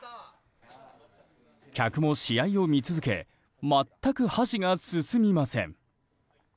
客も試合を見続け全く箸が進みません。